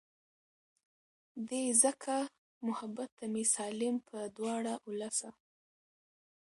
دے ځکه محبت ته مې سالم پۀ دواړه السه